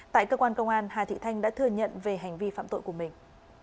tại cơ quan công an hà thị thanh đã thừa nhận về hành vi phạm tội của mình